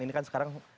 ini kan sekarang